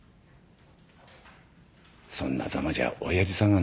そんなざまじゃ親父さんが泣くぞ。